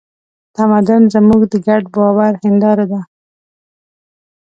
تمدن زموږ د ګډ باور هینداره ده.